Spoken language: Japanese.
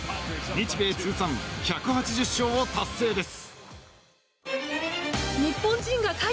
日米通算１８０勝を達成です。